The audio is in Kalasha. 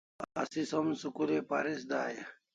Asi som school ai paris dai e?